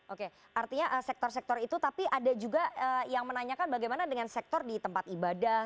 oke artinya sektor sektor itu tapi ada juga yang menanyakan bagaimana dengan sektor di tempat ibadah